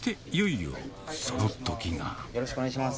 よろしくお願いします。